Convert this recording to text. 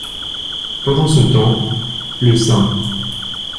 Pendant ce temps, le St.